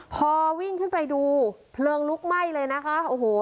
พอวิ่งขึ้นไปดูเพลิงลุกไหม้เลยนะคะโอ้โห